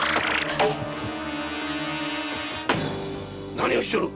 何をしておる！